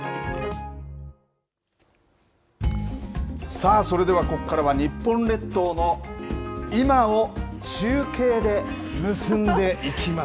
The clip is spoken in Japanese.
さあ、それではここからは、日本列島の今を中継で結んでいきます。